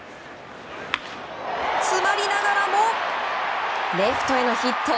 詰まりながらもレフトへのヒット。